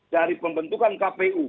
dari pembentukan kpu